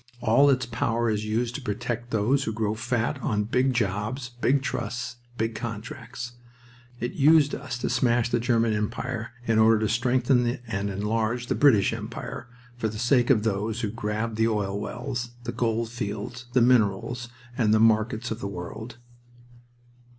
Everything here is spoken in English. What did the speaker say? All its power is used to protect those who grow fat on big jobs, big trusts, big contracts. It used us to smash the German Empire in order to strengthen and enlarge the British Empire for the sake of those who grab the oil wells, the gold fields, the minerals, and the markets of the world."